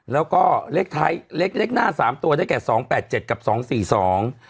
แล้วก็เลขท้ายเล็กเลขหน้าสามตัวได้แก่สองแปดเจ็ดกับสองสี่สอง